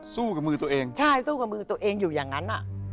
สู้กับมือตัวเองใช่สู้กับมือตัวเองอยู่อย่างนั้นอ่ะ